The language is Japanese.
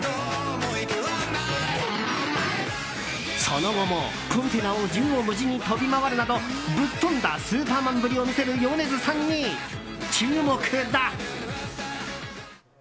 その後も、コンテナを縦横無尽に飛び回るなどぶっ飛んだスーパーマンぶりを見せる米津さんに注目だ。